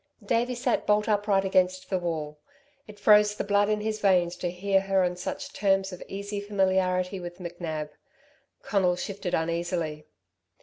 Davey sat bolt upright against the wall. It froze the blood in his veins to hear her on such terms of easy familiarity with McNab. Conal shifted uneasily.